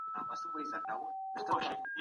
پخواني خلګ تل د نوي علم په لټه کي وو.